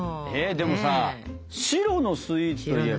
でもさ白のスイーツといえば？